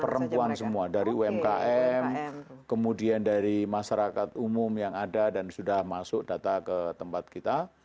perempuan semua dari umkm kemudian dari masyarakat umum yang ada dan sudah masuk data ke tempat kita